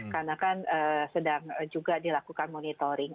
karena kan sedang juga dilakukan monitoring